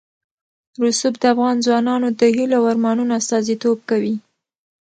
رسوب د افغان ځوانانو د هیلو او ارمانونو استازیتوب کوي.